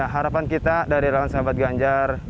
harapan kita dari relawan sahabat ganjar